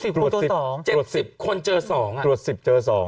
๒๒๑๐คนเจอ๒๗๐คนเจอ๒ตรวจ๑๐เจอ๒